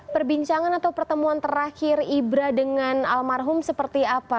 perbincangan atau pertemuan terakhir ibra dengan almarhum seperti apa